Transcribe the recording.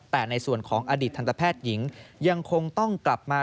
แต่ในส่วนของอดีตทันตแพทย์หญิงยังคงต้องกลับมา